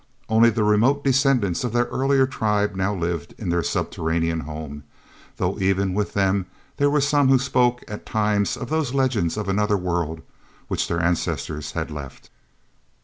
Only the remote descendants of that earlier tribe now lived in their subterranean home, though even with them there were some who spoke at times of those legends of another world which their ancestors had left.